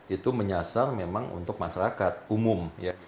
itu menyasar memang untuk masyarakat umum